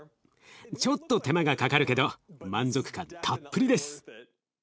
ちょっと手間がかかるけど満足感たっぷりです。